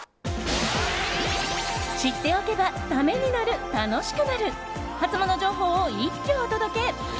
知っておけばためになる、楽しくなるハツモノ情報を一挙お届け。